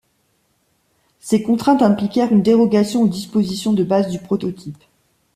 Ces contraintes impliquèrent une dérogation aux dispositions de base du prototype.